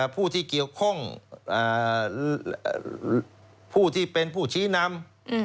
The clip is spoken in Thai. ผู้ที่เกี่ยวข้องผู้ที่เป็นผู้ชี้นำ